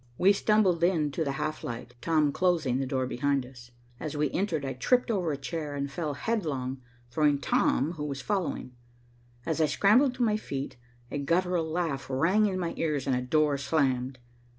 We stumbled in to the half light, Tom closing the door behind us. As we entered, I tripped over a chair and fell headlong, throwing Tom, who was following. As I scrambled to my feet, a guttural laugh rang in my ears and a door slammed.